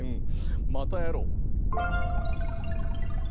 またやろう！